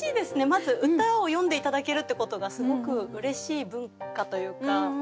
まず歌を詠んで頂けるってことがすごくうれしい文化というか。